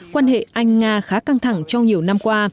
quan hệ anh nga khá căng thẳng trong nhiều năm qua